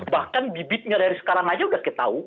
bahkan bibitnya dari sekarang saja sudah ketahuan